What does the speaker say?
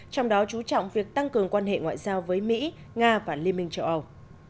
trong đó chú trọng việc tăng cường quan hệ ngoại giao với mỹ nga và liên minh châu âu